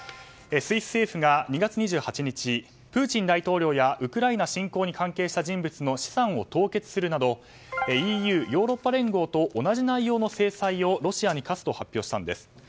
スイス政府が２月２８日プーチン大統領やウクライナ侵攻に関係した人物の資産を凍結するなどＥＵ・ヨーロッパ連合と同じ内容の制裁をロシアに科すと発表したんです。